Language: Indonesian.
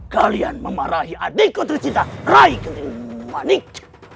kalian memarahi adikku tercinta rai ketilmanik